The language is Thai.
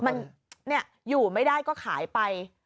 มันอยู่ไม่ได้ก็ขายไป